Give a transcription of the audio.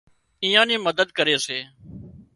ايئان نِي مدد ڪري سي